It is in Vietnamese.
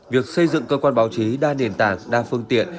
việc xây dựng cơ quan báo chí đa nền tảng đa phương tiện